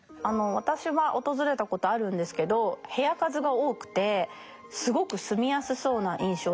私は訪れたことあるんですけど部屋数が多くてすごく住みやすそうな印象です。